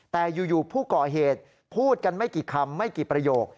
แต่อยู่ผู้ก่อเหตุพูดกันไม่กี่คำไม่กี่ประโยค